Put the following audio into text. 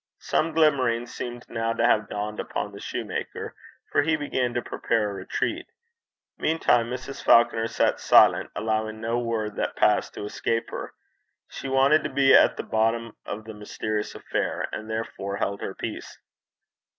Some glimmering seemed now to have dawned upon the soutar, for he began to prepare a retreat. Meantime Mrs. Falconer sat silent, allowing no word that passed to escape her. She wanted to be at the bottom of the mysterious affair, and therefore held her peace.